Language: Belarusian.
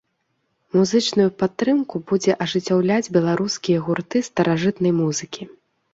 Музычную падтрымку будзе ажыццяўляць беларускія гурты старажытнай музыкі.